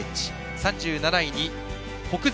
３７位に北山。